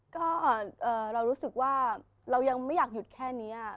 ก็เรารู้สึกว่าเรายังไม่อยากหยุดแค่นี้